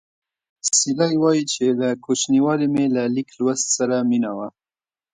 سیلۍ وايي چې له کوچنیوالي مې له لیک لوست سره مینه وه